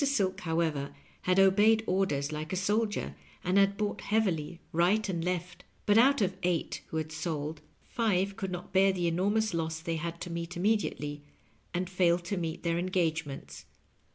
Silk, however, had obeyed orders like a sol dier, and had bought heavily right and left ; but out of eight who had sold, five could not bear the enormous loss they had to meet immediately, and failed to meet their engagements.